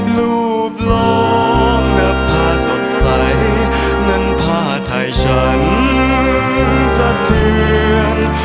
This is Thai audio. ลูบล้มดับทาสดใสนั้นพาทายฉันสะเทือน